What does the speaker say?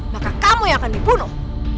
maka kamu yang akan dibunuh